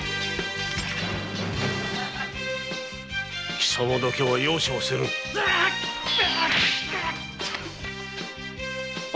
貴様だけは容赦はせぬ綾。